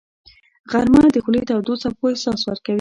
غرمه د خولې تودو څپو احساس ورکوي